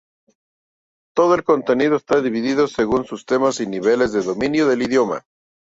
Todo el contenido está dividido según los temas y niveles de dominio del idioma.